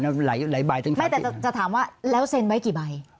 แต่จะถามว่าแล้วเซ็นต์ไว้กี่ใบ